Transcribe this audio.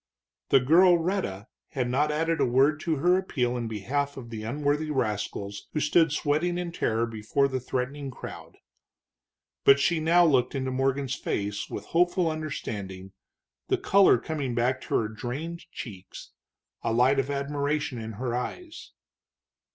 The girl Rhetta had not added a word to her appeal in behalf of the unworthy rascals who stood sweating in terror before the threatening crowd. But she looked now into Morgan's face with hopeful understanding, the color coming back to her drained cheeks, a light of admiration in her eyes.